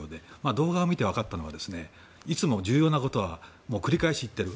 動画を見て分かったのはいつも重要なことは繰り返し言っている。